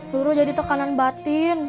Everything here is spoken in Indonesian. luruh jadi tekanan batin